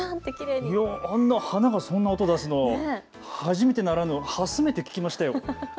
あんな花がそんな音出すのを初めてならぬハスめて聞きましたよ。